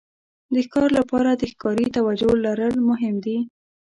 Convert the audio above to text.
د ښکار لپاره د ښکاري توجو لرل مهم دي.